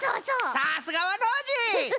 さすがはノージー！